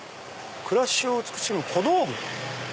「暮らしを美しむ小道具」。